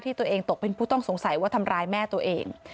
ตัวเองตกเป็นผู้ต้องสงสัยว่าทำร้ายแม่ตัวเอง